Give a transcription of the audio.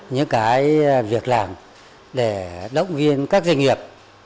những cái việc làm để động viên các doanh nghiệp